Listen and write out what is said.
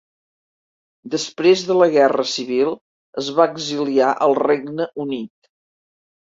Després de la guerra civil es va exiliar en el Regne Unit.